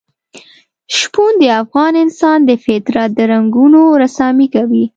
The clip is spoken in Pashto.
شپون د افغان انسان د فطرت د رنګونو رسامي کوي.